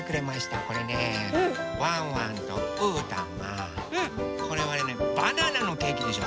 これねワンワンとうーたんがこれはバナナのケーキでしょ